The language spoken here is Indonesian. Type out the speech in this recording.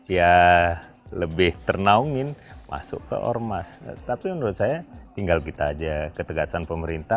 ya lebih ternaungin masuk ke ormas tapi menurut saya tinggal kita aja ketegasan pemerintah